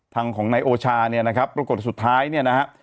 ทางของนายโอชาเนี่ยนะครับปรากฏสุดท้ายเนี่ยนะฮะ